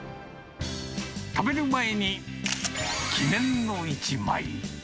食べる前に記念の一枚。